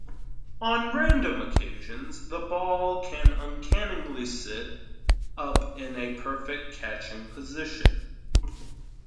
On random occasions, the ball can uncannily sit up in a perfect catching position.